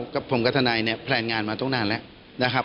กับผมก็กระทะนายแผนงานมาตรงนานแล้วครับ